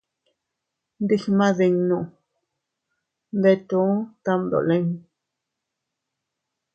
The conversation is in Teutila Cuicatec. Ndigmadinnu ndetuu tamdolin.